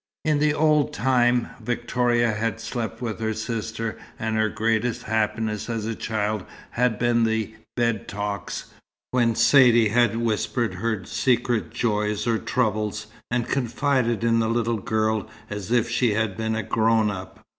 In the old time Victoria had slept with her sister; and her greatest happiness as a child had been the "bed talks," when Saidee had whispered her secret joys or troubles, and confided in the little girl as if she had been a "grown up."